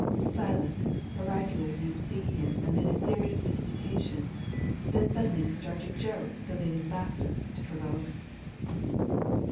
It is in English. Silent, oracular ye'd see him Amid a serious disputation, Then suddenly discharge a joke The ladies' laughter to provoke.